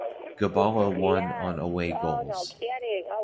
Gabala won on away goals.